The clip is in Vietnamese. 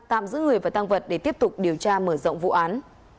tạm giữ người và tăng vật để tiếp tục điều tra mở rộng vụ án